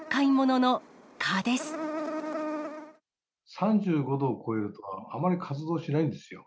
３５度を超えるとあまり活動しないんですよ。